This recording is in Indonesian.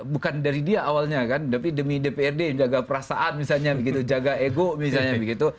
bukan dari dia awalnya kan tapi demi dprd yang jaga perasaan misalnya begitu jaga ego misalnya begitu